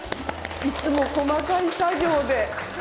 いつも細かい作業で。